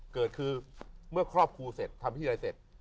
เกิดคือเมื่อครอบครูเสร็จทำพิธีอะไรเสร็จ